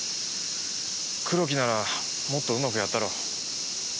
黒木ならもっとうまくやったろう。